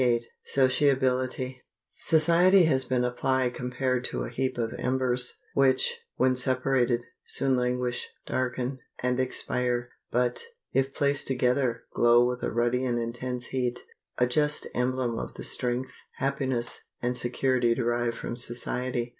] Society has been apply compared to a heap of embers, which, when separated, soon languish, darken, and expire, but, if placed together, glow with a ruddy and intense heat, a just emblem of the strength, happiness, and security derived from society.